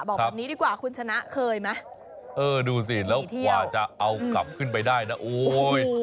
บอกแบบนี้ดีกว่าคุณชนะเคยไหมเออดูสิแล้วกว่าจะเอากลับขึ้นไปได้นะโอ้ย